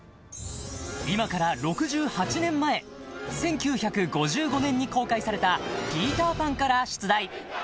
［今から６８年前１９５５年に公開された『ピーター・パン』から出題］